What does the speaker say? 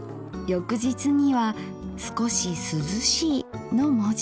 翌日には「すこし涼しい」の文字。